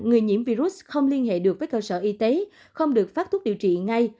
người nhiễm virus không liên hệ được với cơ sở y tế không được phát thuốc điều trị ngay